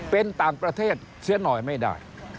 เป็นต่างประเทศเสียหน่อยไม่ได้